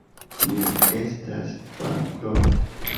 Mi estas bankrota.